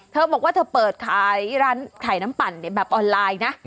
เธอบอกว่าเธอเปิดขายร้านขายน้ำปั่นแบบออนไลน์นะ